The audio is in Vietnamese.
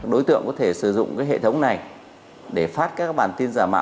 đối tượng có thể sử dụng hệ thống này để phát các bản tin giả mạo